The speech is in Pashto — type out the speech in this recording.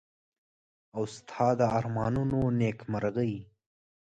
او ستا د ارمانونو نېکمرغي.